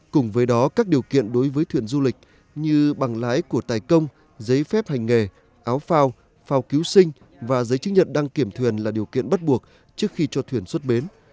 cùng với đó các điều kiện đối với thuyền du lịch như bằng lái của tài công giấy phép hành nghề áo phao phao cứu sinh và giấy chứng nhận đăng kiểm thuyền là điều kiện bắt buộc trước khi cho thuyền xuất bến